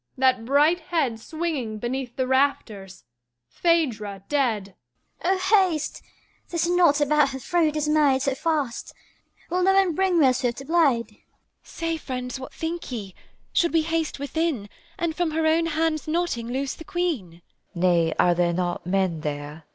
That bright head Swinging beneath the rafters! Phaedra dead! VOICE O haste! This knot about her throat is made So fast! Will no one bring me a swift blade? A WOMAN Say, friends, what think ye? Should we haste within, And from her own hand's knotting loose the Queen? ANOTHER Nay, are there not men there?